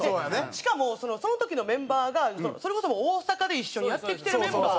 しかもその時のメンバーがそれこそ大阪で一緒にやってきてるメンバー。